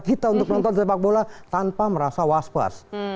kita untuk nonton sepak bola tanpa merasa waspas